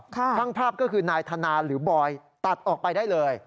ช่างภาพก็คือนายธนาหรือบอยตัดออกไปได้เลย